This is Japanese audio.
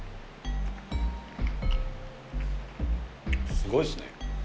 すごいですね。